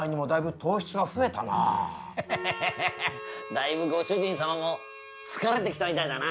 だいぶご主人様も疲れてきたみたいだな。